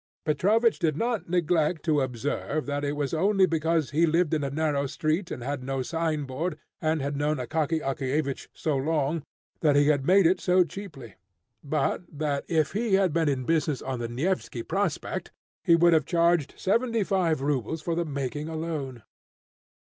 Petrovich did not neglect to observe that it was only because he lived in a narrow street, and had no signboard, and had known Akaky Akakiyevich so long, that he had made it so cheaply; but that if he had been in business on the Nevsky Prospect, he would have charged seventy five rubles for the making alone.